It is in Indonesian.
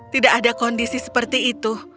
tidak ada kondisi seperti itu